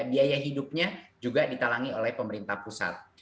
biaya hidupnya juga ditalangi oleh pemerintah pusat